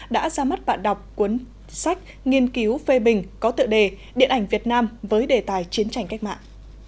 đã ra mắt bạn đọc cuốn sách nghiên cứu phê bình có tựa đề điện ảnh việt nam với đề tài chiến tranh cách mạng